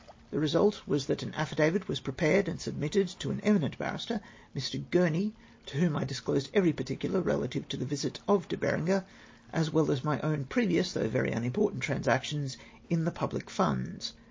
The result was that an affidavit was prepared and submitted to an eminent barrister, Mr. Gurney, t() whom I disclosed every particular relative to the visit of De Berenger, as well as to my own previous, thougli very unimportant transactions, in the public funds.